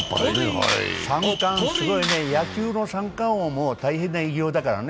３冠すごいね、野球の三冠王も大変な偉業だからね。